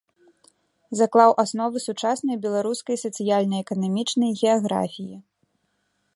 Заклаў асновы сучаснай беларускай сацыяльна-эканамічнай геаграфіі.